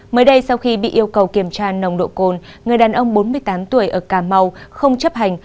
mới đây sau khi bị yêu cầu kiểm tra nồng độ cồn người đàn ông bốn mươi tám tuổi ở cà mau không chấp hành